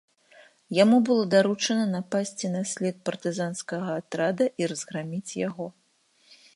Яму было даручана напасці на след партызанскага атрада і разграміць яго.